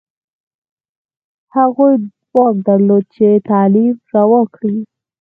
هغوی واک درلود چې تعلیم روا کړي.